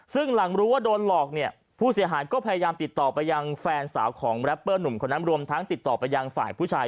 ซึ่งหลังรู้ว่าโดนหลอกเนี่ยผู้เสียหายก็พยายามติดต่อไปยังแฟนสาวของแรปเปอร์หนุ่มคนนั้นรวมทั้งติดต่อไปยังฝ่ายผู้ชาย